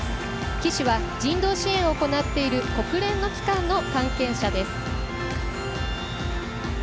旗手は人道支援を行っている国連の機関の関係者です。